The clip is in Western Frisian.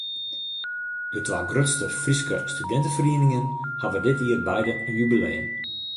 De twa grutste Fryske studinteferieningen hawwe dit jier beide in jubileum.